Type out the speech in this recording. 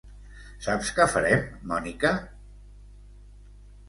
Saps què farem, Mònica?